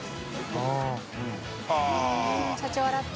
呂繊社長笑って。